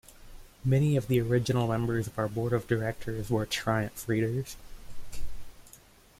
Many of the original members of our Board of Directors were "Triumph" readers.